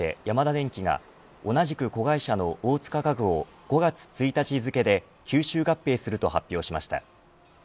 ヤマダデンキが同じく子会社の大塚家具を５月１日付で吸収合併すると発表しました。